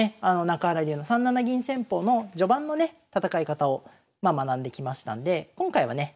中原流の３七銀戦法の序盤のね戦い方を学んできましたんで今回はね